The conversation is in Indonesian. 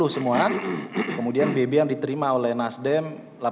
delapan ratus lima puluh semua kemudian bb yang diterima oleh nasdem delapan ratus